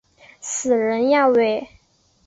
死人呀喂！